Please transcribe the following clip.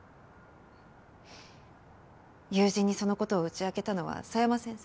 友人にその事を打ち明けたのは佐山先生。